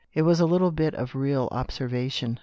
It was a little bit of real observation."